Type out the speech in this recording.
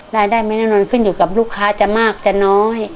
ไม่แน่นอนขึ้นอยู่กับลูกค้าจะมากจะน้อย